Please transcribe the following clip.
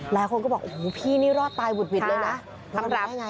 หลายคนก็บอกโอ้โฮพี่นี่รอดตายวุดวิทย์แล้วนะ